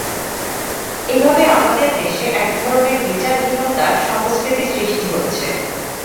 এভাবে আমাদের দেশে একধরনের বিচারহীনতার সংস্কৃতি সৃষ্টি হচ্ছে।